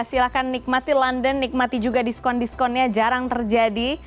silahkan nikmati london nikmati juga diskon diskonnya jarang terjadi